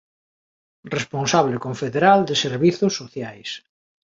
Responsable confederal de Servizos Sociais.